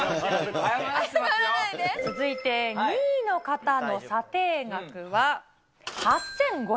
続いて、２位の方の査定額は８５００円。